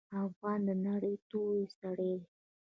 افغان د نرۍ توري سړی دی.